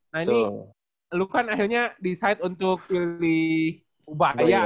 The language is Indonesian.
nah ini lu kan akhirnya decide untuk pilih ubaya